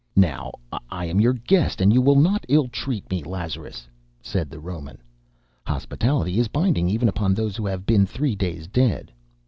"Now I am your guest and you will not ill treat me, Lazarus!" said the Roman. "Hospitality is binding even upon those who have been three days dead.